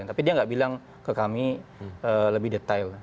tapi dia nggak bilang ke kami lebih detail